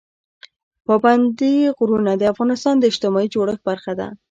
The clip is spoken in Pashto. پابندی غرونه د افغانستان د اجتماعي جوړښت برخه ده.